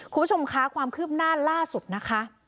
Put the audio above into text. คุณผู้ชมคะความคืบหน้าล่าสุดนะคะ